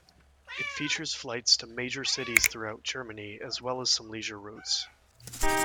It features flights to major cities throughout Germany as well as some leisure routes.